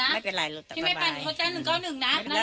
ไม่เป็นไรครับสบาย